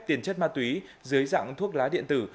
tiền chất ma túy dưới dạng thuốc lá điện tử